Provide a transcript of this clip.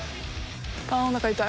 おなか痛い。